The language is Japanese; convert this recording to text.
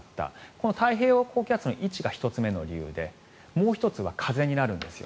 この太平洋高気圧の位置が１つ目の理由でもう１つは風になるんです。